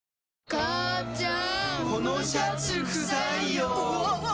母ちゃん！